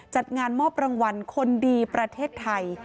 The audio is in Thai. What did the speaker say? จัดงานมอบรางวัลคนดีประเทศไทย